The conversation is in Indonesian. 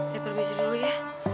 ya permisi dulu ya